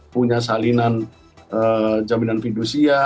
punya salinan jaminan fidusia